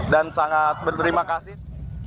dan sangat berterima kasih